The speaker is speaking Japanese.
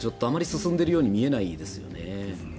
あまり進んでいるように見えないですね。